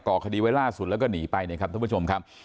่อคดีไว้ล่าสุดแล้วก็หนีไปนะครับท่านผู้ชมครับ